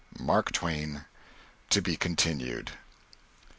MARK TWAIN. (_To be Continued.